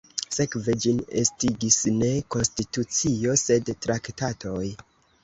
Sekve, ĝin estigis ne konstitucio sed traktatoj.